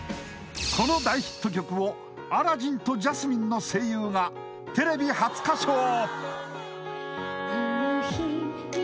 この大ヒット曲をアラジンとジャスミンの声優がテレビ初歌唱！